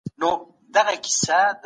معشوقه همداسي لرې ده